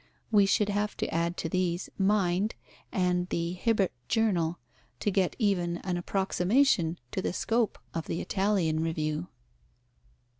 We should have to add to these Mind and the Hibbert Journal to get even an approximation to the scope of the Italian review.